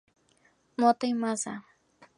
Motta y Mazza.